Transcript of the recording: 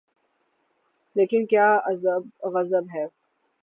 لیکن کیا غضب ہے۔